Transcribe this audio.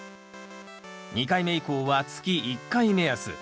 ２回目以降は月１回目安。